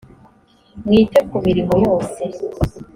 mwite ku mirimo yose